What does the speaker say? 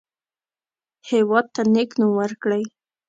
هېواد ته نیک نوم ورکړئ